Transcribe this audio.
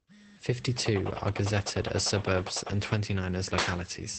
Fifty-two are gazetted as suburbs and twenty-nine as localities.